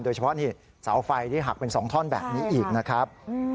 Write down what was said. โดยเฉพาะนี่เสาไฟที่หักเป็น๒ท่อนแบบนี้อีกนะครับ